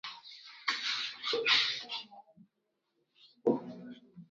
Mnamo miaka ya hivi karibuni idhaa imepanuka na inatangaza kupitia redio, televisheni na mitandao ya kijamii